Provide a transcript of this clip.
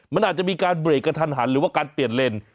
มันอาจจะมีการเบรกกระทันหันหรือว่าการเปลี่ยนเลน